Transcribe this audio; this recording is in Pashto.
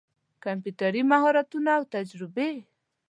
کمپيوټري مهارتونه او تجربې